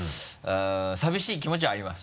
寂しい気持ちはあります。